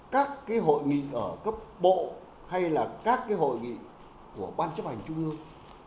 các cái hội nghị ở cấp bộ hay là các cái hội nghị của ban chấp hành trung ương